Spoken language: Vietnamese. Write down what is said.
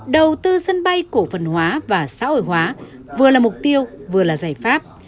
đầu tư sân bay cổ phần hóa và xã hội hóa vừa là mục tiêu vừa là giải pháp